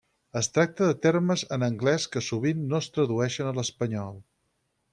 Es tracta de termes en anglès que sovint no es tradueixen a l'espanyol.